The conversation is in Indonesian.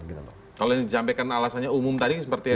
kalau yang dijampekan alasannya umum tadi seperti ini